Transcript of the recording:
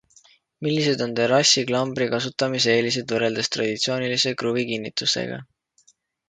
Millised on terrassiklambri kasutamise eelised võrreldes traditsioonilise kruvikinnitusega?